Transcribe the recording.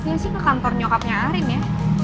biasanya sih ke kantor nyokapnya arin ya